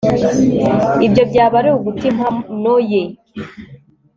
Ibyo byaba ari uguta impano ye